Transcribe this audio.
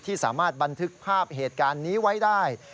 สามารถบันทึกภาพเหตุการณ์นี้ไว้ได้